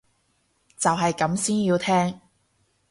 就係咁先要聽